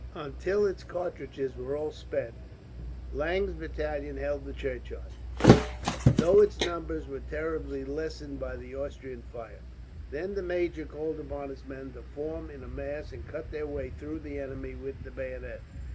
Until its cartridges were all spent, Lange's battalion held the churchyard, though its numbers were terribly lessened by the Austrian fire. Then the major called upon his men to form in a mass, and cut their way through the enemy with the bayonet.